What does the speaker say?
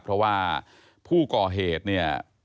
เพราะว่าผู้ก่อเหตุเนี่ย